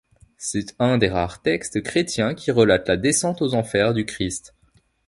C'est un des rares textes chrétiens qui relate la descente aux Enfers du Christ.